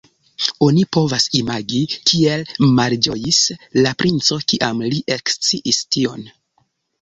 Oni povas imagi, kiel malĝojis la princo, kiam li eksciis tion.